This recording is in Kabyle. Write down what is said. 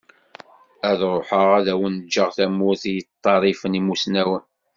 Ad ruḥeγ ad awen-ğğeγ tamurt i yeṭṭerrifen imusnawen.